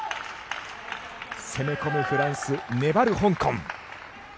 攻め込むフランス粘る香港。